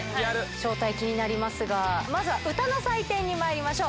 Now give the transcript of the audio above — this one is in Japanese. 正体、気になりますが、まずは歌の採点にまいりましょう。